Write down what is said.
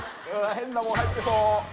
変なもの入ってそう。